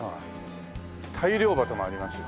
大漁旗もありますよ。